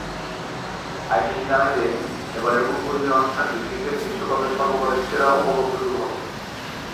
ICC জানায় যে, এবারের উদ্বোধনী অনুষ্ঠানটি "‘ক্রিকেট বিশ্বকাপের সর্বকালের সেরা উপভোগ্য শুরু হবে’"।